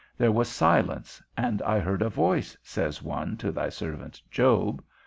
There was silence, and I heard a voice, says one, to thy servant Job.